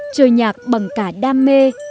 chơi nhạc bằng cả đam mê